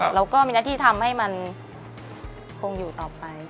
เราก็มีหน้าที่ทำให้มันคงอยู่ต่อไป